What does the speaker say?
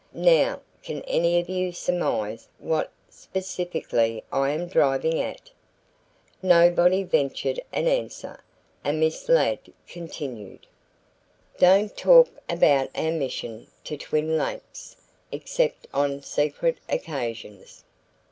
Now, can any of you surmise what specifically I am driving at?" Nobody ventured an answer, and Miss Ladd continued: "Don't talk about our mission to Twin Lakes except on secret occasions.